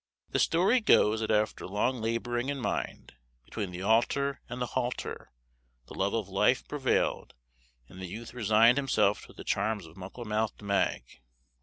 The story goes, that after long laboring in mind, between the altar and the halter, the love of life prevailed, and the youth resigned himself to the charms of Muckle mouthed Mag.